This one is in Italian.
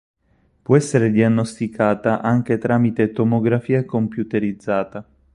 Può essere diagnosticata anche tramite tomografia computerizzata.